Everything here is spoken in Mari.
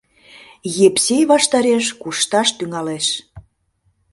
Епсей ваштареш кушташ тӱҥалеш.